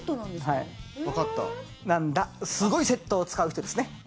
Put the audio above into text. すごいセットを使う人ですね。